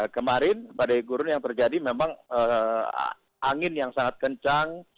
kemarin badai gurun yang terjadi memang angin yang sangat kencang